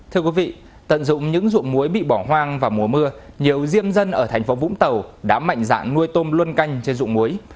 thưa quý vị tận dụng những ruộng muối bị bỏ hoang vào mùa mưa nhiều diêm dân ở thành phố vũng tàu đã mạnh dạn nuôi tôm luân canh trên dụng muối